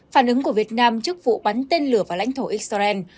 phản ứng của việt nam trước vụ bắn tên lửa vào lãnh thổ israel